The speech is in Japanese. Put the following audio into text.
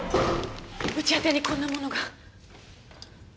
うち宛てにこんなものが。